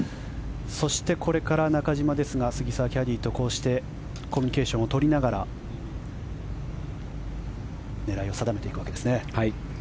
そして、これから中島ですが杉澤キャディーとコミュニケーションを取りながら狙いを定めていくわけですね。